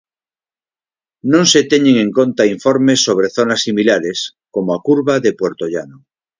Non se teñen en conta informes sobre zonas similares, como a curva de Puertollano.